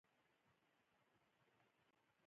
البته خواړه یې ډېر خوندور ول چې باید وویل شي.